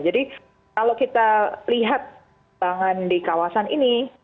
jadi kalau kita lihat bahkan di kawasan ini